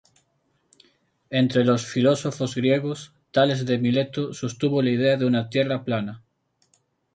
Entre los filósofos griegos, Tales de Mileto sostuvo la idea de una Tierra plana.